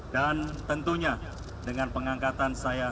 dan tentunya dengan pengangkatan saya